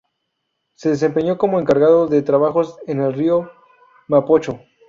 Se desempeñó como encargado de trabajos en el río Mapocho.